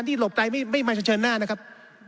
นี่หลบใจไม่ไม่มาเฉินเฉินหน้านะครับ